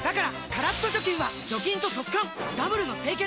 カラッと除菌は除菌と速乾ダブルの清潔！